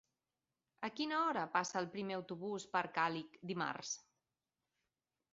A quina hora passa el primer autobús per Càlig dimarts?